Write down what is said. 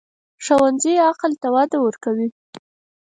ښوونځی عقل ته وده ورکوي